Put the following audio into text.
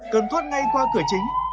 cần thoát ngay qua cửa chính